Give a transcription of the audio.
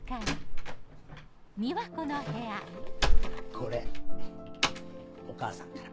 これお母さんから。